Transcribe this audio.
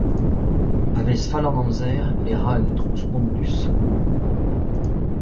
Pa vez fall an amzer e ra un drouz spontus!